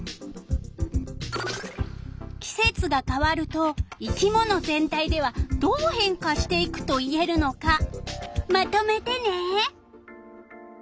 季節が変わると生き物全体ではどう変化していくと言えるのかまとめてね！